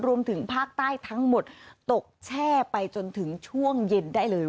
รวมถึงภาคใต้ทั้งหมดตกแช่ไปจนถึงช่วงเย็นได้เลย